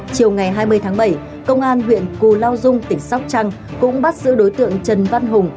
chiều ngày hai mươi tháng bảy công an huyện cù lao dung tỉnh sóc trăng cũng bắt giữ đối tượng trần văn hùng